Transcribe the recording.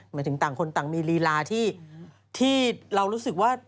หมายถึงต่างคนต่างมีลีลาที่เรารู้สึกว่า